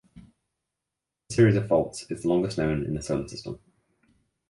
This series of faults is the longest known in the solar system.